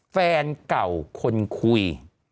แฟนเก่าคนคุย